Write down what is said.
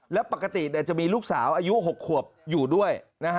แล้วปกติจะมีลูกสาวอายุ๖ขวบอยู่ด้วย